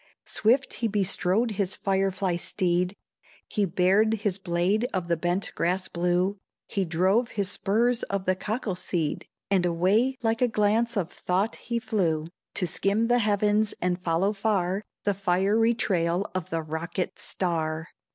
Swift he bestrode his fire fly steed; He bared his blade of the bent grass blue; He drove his spurs of the cockle seed, And away like a glance of thought he flew, To skim the heavens and follow far The fiery trail of the rocket star.